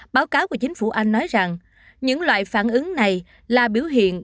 báo cáo của chính phủ anh nói rằng những loại phản ứng này là biểu hiện